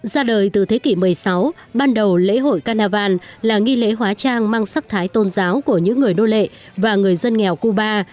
ra đời từ thế kỷ một mươi sáu ban đầu lễ hội carnival là nghi lễ hóa trang mang sắc thái tôn giáo của những người nô lệ và người dân nghèo cuba